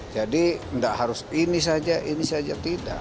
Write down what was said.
jadi tidak harus ini saja ini saja tidak